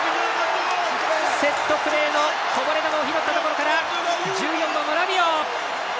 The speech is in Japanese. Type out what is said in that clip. セットプレーのこぼれ球を拾ったところから１４番のラビオ！